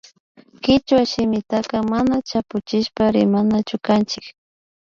Kichwa shimitaka mana chapuchishpa rimanachu kanchik